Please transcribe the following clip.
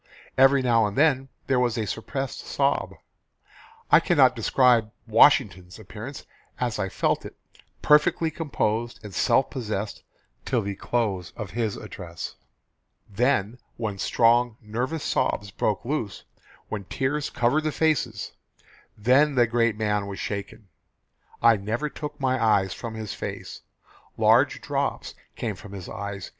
Every now and then there was a suppressed sob. I cannot describe Washington's appearance as I felt it perfectly composed and self possessed till the close of his address. Then when strong, nervous sobs broke loose, when tears covered the faces, then the great man was shaken. I never took my eyes from his face. Large drops came from his eyes.